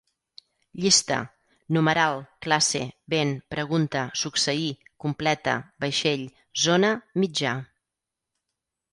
Llista: numeral, classe, vent, pregunta, succeir, completa, vaixell, zona, mitjà